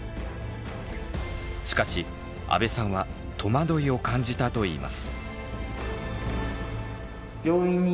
しかし阿部さんは戸惑いを感じたといいます。